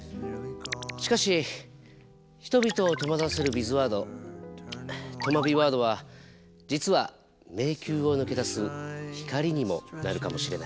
しかし人々を戸惑わせるビズワード。とまビワードは実は迷宮を抜け出す光にもなるかもしれない。